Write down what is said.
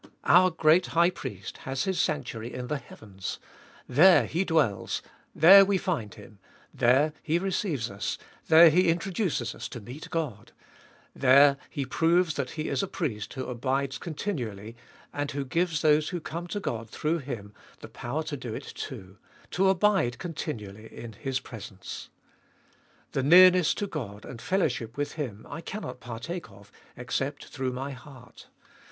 Our great High Priest has His sanctuary in the heavens ; there He dwells, there we find Him ; there He receives us, there He introduces us to meet God; there He proves that He is a Priest who abides continually, and who gives those who come to God through Him the power to do it too — to abide continually in His presence. The nearness to God and fellowship with Him I cannot partake of except through my heart.